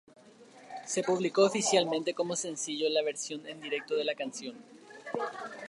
Se publicó oficialmente como sencillo la versión en directo de la canción.